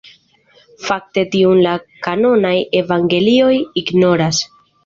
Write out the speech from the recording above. Fakte tion la kanonaj evangelioj ignoras.